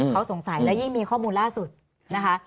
เขาสงสัยและยิ่งมีข้อมูลล่าสุดนะคะ